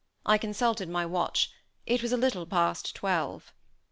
I consulted my watch. It was a little past twelve.